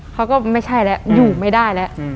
เขาก็ไม่ใช่ละอยู่ไม่ได้ละ